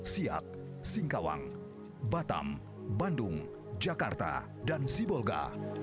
siak singkawang batam bandung jakarta dan sibolga